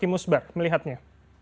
imus baru melihatnya